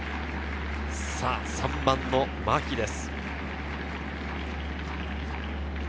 ３番の牧です。